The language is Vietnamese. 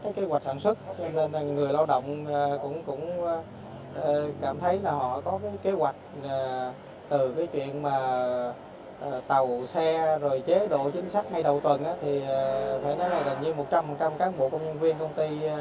đã vào sản xuất và mọi hoạt động tinh doanh của công ty đã trở lại bình thường